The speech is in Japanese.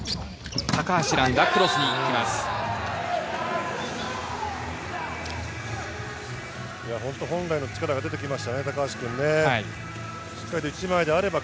高橋藍がクロスに決めます。